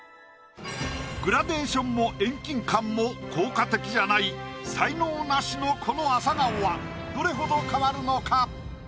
グラデーションも遠近感も効果的じゃない才能ナシのこのアサガオはどれほど変わるのか？